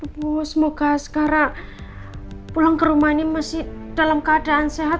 ibu semoga sekarang pulang ke rumah ini masih dalam keadaan sehat